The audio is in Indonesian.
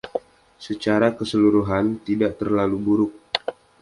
Secara keseluruhan, tidak terlalu buruk.